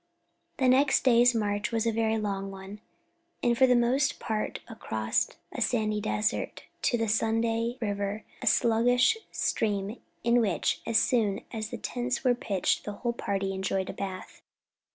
The next day's march was a very long one, and for the most part across a sandy desert, to the Sunday River, a sluggish stream in which, as soon as the tents were pitched, the whole party enjoyed a bath.